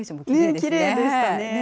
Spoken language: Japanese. きれいでしたね。